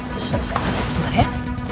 justru sebentar ya